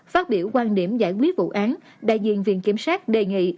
phát biểu quan điểm giải quyết vụ án đại diện viện kiểm sát đề nghị